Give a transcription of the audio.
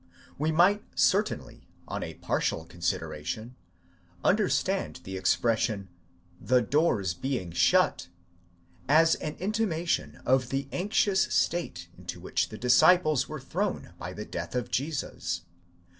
We might certainly, on a partial consideration, understand the expression the doors being shut, τῶν θυρὼν κεκλεισμένων, as an intimation of the anxious state into which the disciples were thrown by the death of Jesus.